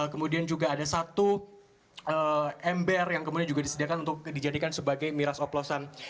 kemudian juga ada satu ember yang kemudian juga disediakan untuk dijadikan sebagai miras oplosan